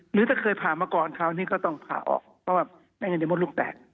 หรือถ้าเคยผ่ามาก่อนคราวนี้ก็ต้องผ่าออกเพราะว่าแม่เงินในมดลูกแตก